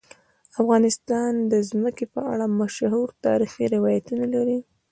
افغانستان د ځمکه په اړه مشهور تاریخی روایتونه لري.